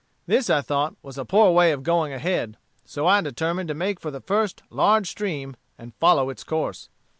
This I thought was a poor way of going ahead; so I determined to make for the first large stream, and follow its course."